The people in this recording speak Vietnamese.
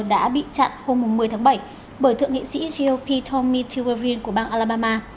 đã bị chặn hôm một mươi tháng bảy bởi thượng nghị sĩ gop tommy t wervin của bang alabama